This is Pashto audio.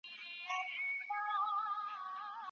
که درانه توکي په ماشین پورته سي، نو د کارګرانو ملا نه خوږیږي.